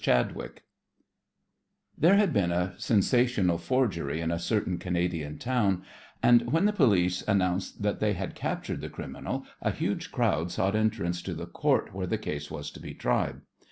CHADWICK There had been a sensational forgery in a certain Canadian town, and when the police announced that they had captured the criminal a huge crowd sought entrance to the Court where the case was to be tried.